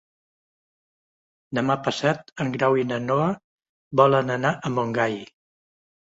Demà passat en Grau i na Noa volen anar a Montgai.